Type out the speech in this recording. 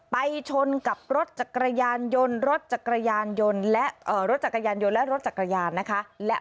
ไปชนกับรถจักรยานยนต์รถจักรยานยนต์และรถจักรยานนะคะ